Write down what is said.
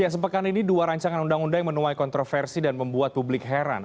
sepekan ini dua rancangan undang undang yang menuai kontroversi dan membuat publik heran